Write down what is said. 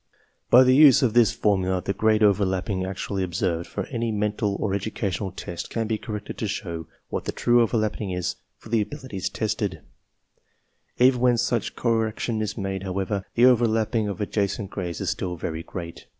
By the use of this formula the grade overlapping actually observed for any mental or educational test can be corrected to show what the true overlapping is for the abilities tested/} Even when such correction is made, however, the ^Overlapping of adjacent grades is still very great.